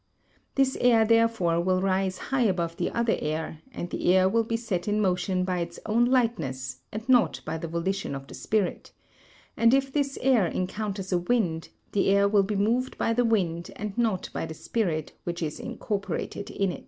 This air therefore will rise high above the other air, and the air will be set in motion by its own lightness and not by the volition of the spirit, and if this air encounters a wind, the air will be moved by the wind and not by the spirit which is incorporated in it.